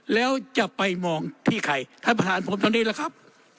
แล้วจะไปมองที่ใครท่านประธานผมเท่านี้แหละครับ